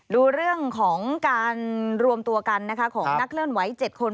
รู้เรื่องของการรวมตัวกันของนักเลื่อนไว้๗คน